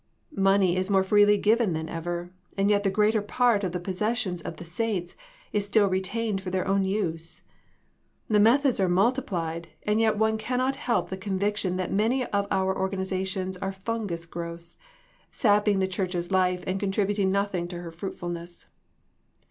Money is more freely given than ever, and yet the greater part of the possessions of the saints is still retained for their own use. The methods are multiplied, and yet one cannot help the conviction that many of our organizations are fungus growths, sapping the Church's life and contributing nothing to her fruitfulness.